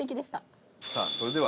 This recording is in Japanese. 伊達：さあ、それでは。